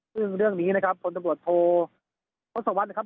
ซึ่งเรื่องนี้นะครับคนตำรวจโทษทศวรรษนะครับ